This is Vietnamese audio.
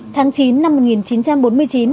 tháng chín năm một nghìn chín trăm bốn mươi chín